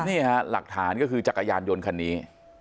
นี่ฮะหลักฐานก็คือจักรยานยนต์คันนี้